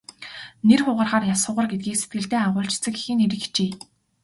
Нэр хугарахаар яс хугар гэдгийг сэтгэлдээ агуулж эцэг эхийн нэрийг хичээе.